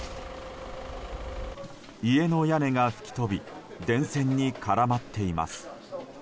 家の屋根が吹き飛び電線に絡まっています。